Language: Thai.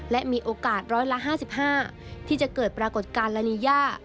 และมีโอกาสร้อยละ๕๕ที่จะเกิดปรากฏการณ์ลานีย่า